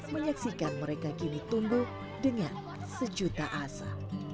menyaksikan mereka kini tumbuh dengan sejuta asa